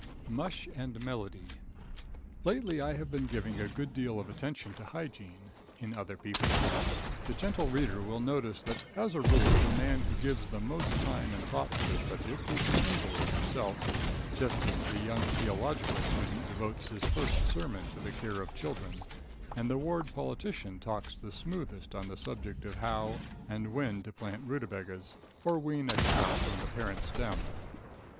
Mush and Melody. Lately I have been giving a good deal of attention to hygiene in other people. The gentle reader will notice that, as a rule, the man who gives the most time and thought to this subject is an invalid himself; just as the young theological student devotes his first sermon to the care of children, and the ward politician talks the smoothest on the subject of how and when to plant ruta bagas or wean a calf from the parent stem.